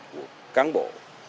của cán bộ